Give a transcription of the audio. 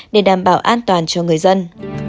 để đảm bảo an toàn cho người dân